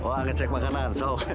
wah ngecek makanan sok